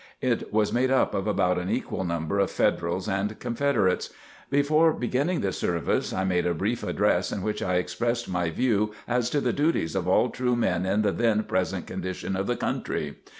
It was made up of about an equal number of Federals and Confederates. Before beginning the service, I made a brief address in which I expressed my views as to the duties of all true men in the then present condition of the country.